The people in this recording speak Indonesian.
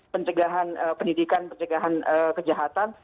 pencegahan pendidikan pencegahan kejahatan